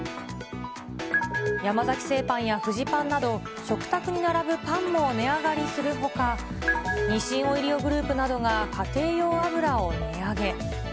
山崎製パンやフジパンなど、食卓に並ぶパンも値上がりするほか、日清オイリオグループなどが家庭用油を値上げ。